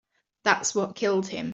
That's what killed him.